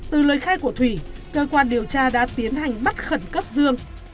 từ lời khai của thủy cơ quan điều tra đã tiến hành bắt khẩn cấp dương